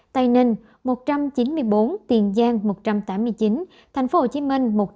tây ninh một trăm chín mươi bốn tiền giang một trăm tám mươi chín tp hcm một trăm ba mươi tám